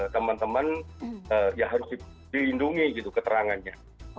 teman teman ya harus dilindungi gitu keterangannya